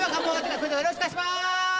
よろしくお願いします